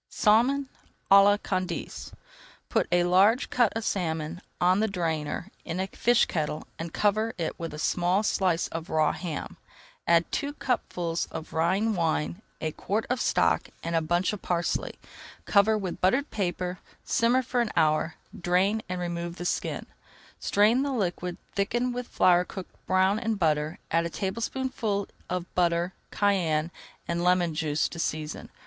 SALMON À LA CANDACE Put a large cut of salmon on the drainer in a fish kettle and cover it with a small slice of raw ham. Add two cupfuls of Rhine wine, a quart of stock, and a bunch of parsley. Cover with buttered paper, [Page 279] simmer for an hour, drain, and remove the skin. Strain the liquid, thicken with flour cooked brown in butter, add a tablespoonful of butter, cayenne, and lemon juice to season.